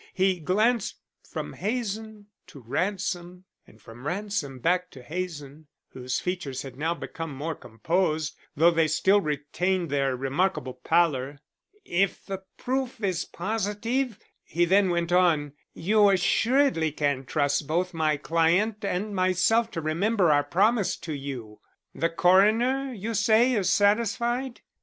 He glanced from Hazen to Ransom, and from Ransom back to Hazen, whose features had now become more composed, though they still retained their remarkable pallor. "If the proof is positive," he then went on, "you assuredly can trust both my client and myself to remember our promise to you." "The coroner, you say, is satisfied?"